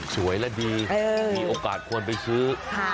และดีมีโอกาสควรไปซื้อ